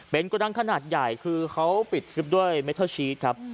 เบนต์ก็ดังขนาดใหญ่คือเขาปิดคลิปด้วยเมตเทอร์ชีทครับ